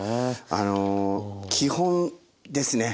あの基本ですね